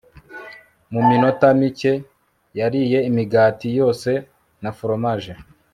mu minota mike, yariye imigati yose na foromaje